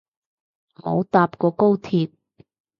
冇搭過高鐵